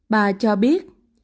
bà cho biết